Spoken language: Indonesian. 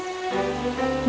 boleh aku ikut denganmu